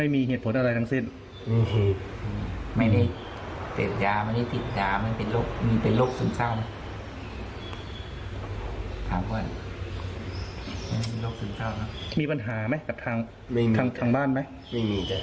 มีปัญหาไหมกับทางบ้านไหม